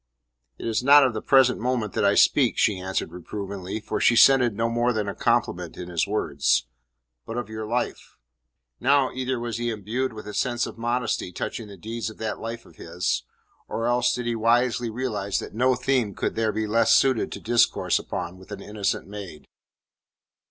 "It is not of the present moment that I speak," she answered reprovingly, for she scented no more than a compliment in his words, "but of your life." Now either was he imbued with a sense of modesty touching the deeds of that life of his, or else did he wisely realize that no theme could there be less suited to discourse upon with an innocent maid.